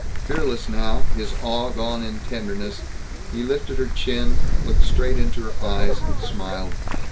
Fearless, now, his awe gone in tenderness, he lifted her chin, looked straight into her eyes, smiled.